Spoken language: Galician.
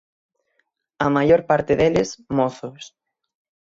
A maior parte deles, mozos.